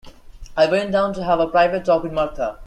I went down to have a private talk with Martha.